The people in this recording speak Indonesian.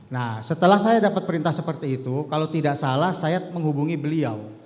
nah setelah saya dapat perintah seperti itu kalau tidak salah saya menghubungi beliau